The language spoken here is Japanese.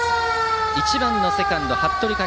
１番のセカンドは服部猛。